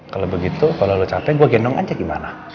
kalo begitu kalo lu capek gua gendong aja gimana